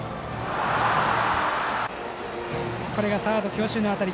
これがサード強襲の当たり。